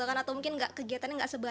atau mungkin kegiatannya nggak sebaik